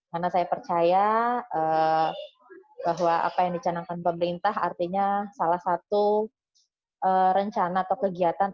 karena saya percaya bahwa apa yang dicanangkan pemerintah artinya salah satu rencana atau kegiatan